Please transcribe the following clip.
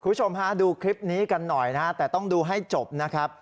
คุณผู้ชมฮะดูคลิปนี้กันหน่อยนะฮะแต่ต้องดูให้จบนะครับ